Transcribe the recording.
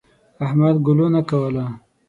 احمد ګلو نه کوله.